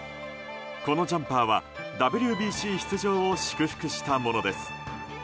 このジャンパーはＷＢＣ出場を祝福したものです。